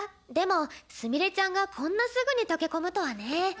でもすみれちゃんがこんなすぐに溶け込むとはね。